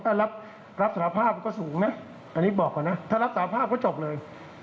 ถ้ารับสารภาพมันก็สูงนะอันนี้บอกก่อนนะถ้ารับสาภาพก็จบเลย